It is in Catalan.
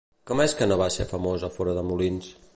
Com és que no va ser famosa fora de Molins?